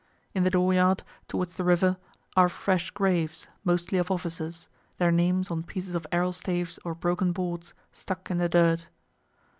In the door yard, towards the river, are fresh graves, mostly of officers, their names on pieces of arrel staves or broken boards, stuck in the dirt.